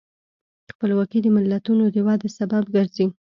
خپلواکي د ملتونو د ودې سبب ګرځي.